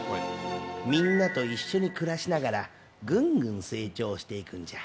みんなと一緒に暮らしながら、ぐんぐん成長していくんじゃ。